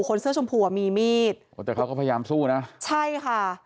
คนเสื้อชมพูอ่ะมีมีดโอ้แต่เขาก็พยายามสู้นะใช่ค่ะ